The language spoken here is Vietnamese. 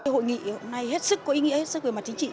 hội nghị hôm nay hết sức có ý nghĩa hết sức về mặt chính trị